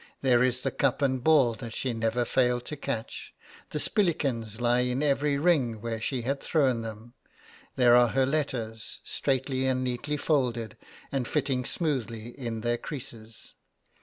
There is the cup and ball that she never failed to catch; the spillikens lie in an even ring where she had thrown them; there are her letters, straightly and neatly folded, and fitting smoothly in their creases.